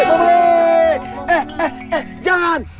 eh eh eh jangan